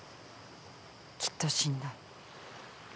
きっと死んだ。